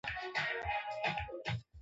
Nataka kukodisha pikipiki kwa siku moja.